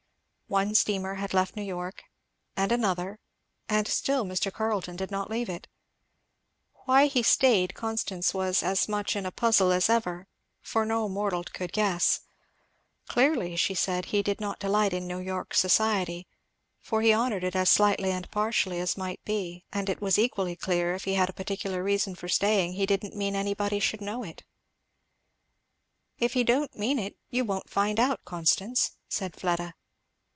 One steamer had left New York, and another, and still Mr. Carleton did not leave it. Why he staid, Constance was as much in a puzzle as ever, for no mortal could guess. Clearly, she said, he did not delight in New York society, for he honoured it as slightly and partially as might be, and it was equally clear if he had a particular reason for staying he didn't mean anybody should know it. "If he don't mean it, you won't find it out, Constance," said Fleda.